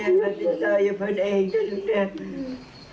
หลังจากขั้นตอนนี้ที่เสร็จพิธีนะคะคุณผู้ชม